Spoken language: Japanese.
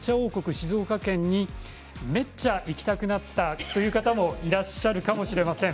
静岡県にめっちゃ行きたくなったという方もいらっしゃるかもしれません。